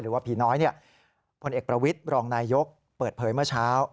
หรือว่าผีน้อยพลเอกประวิทย์รองนายยกเปิดเผยเมื่อเช้า